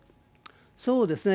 そうですね。